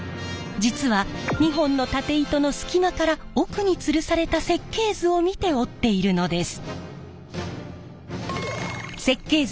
実は２本の縦糸の隙間から奥に吊るされた設計図を見て織っているのです。